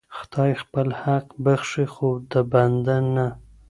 خدای خپل حق بخښي خو د بندې نه.